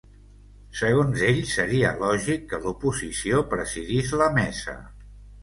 Segons ell, seria lògic que l’oposició presidís la mesa.